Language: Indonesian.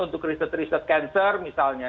untuk riset riset cancer misalnya